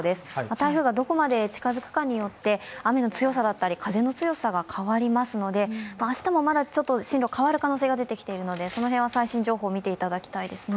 台風がどこまで近づくかによって雨の強さだったり風の強さが変わりますので明日もまだちょっと進路が変わる可能性が出てきているのでその辺は最新情報を見ていただきたいですね。